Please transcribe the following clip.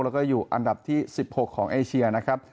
แล้วก็อยู่อันดับที่๑๖ของเอเชียนะครับ